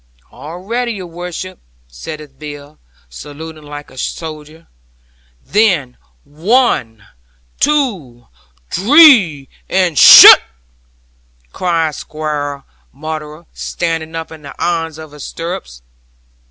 '"All ready, your worship," saith Bill, saluting like a soldier. '"Then, one, two, dree, and shutt!" cries Squire Maunder, standing up in the irons of his stirrups.